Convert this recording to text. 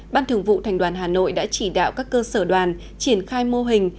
ban thường vụ thành đoàn hà nội đã chỉ đạo các cơ sở đoàn triển khai mô hình